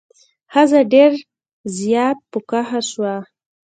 ښځه ډیر زیات په قهر شوه.